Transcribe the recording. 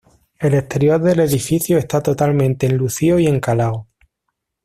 El exterior del edificio está totalmente enlucido y encalado.